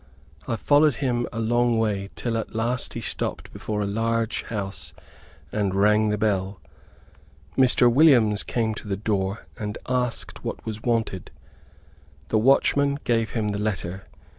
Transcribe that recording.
I followed him a long way, till at last he stopped before a large house, and rang the bell. Mr. Williams came to the door, and asked what was wanted. The watchman gave him the letter.